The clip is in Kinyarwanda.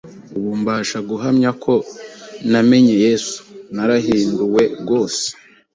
Ubu mbasha guhamya ko namenye Yesu. Narahinduwe rwose,